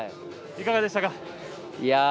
いかがでしたか？